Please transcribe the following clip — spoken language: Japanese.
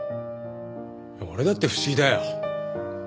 俺だって不思議だよ。